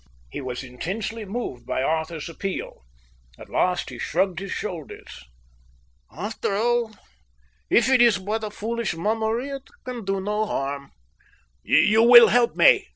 He was intensely moved by Arthur's appeal. At last he shrugged his shoulders. "After all, if it is but a foolish mummery it can do no harm." "You will help me?"